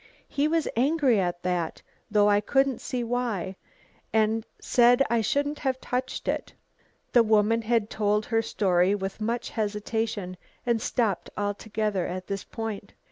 He was angry at that, though I couldn't see why, and said I shouldn't have touched it." The woman had told her story with much hesitation, and stopped altogether at this point.